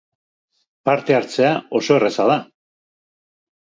Parte hartzea oso erraza da!